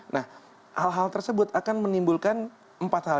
nah hal hal tersebut akan menimbulkan empat hal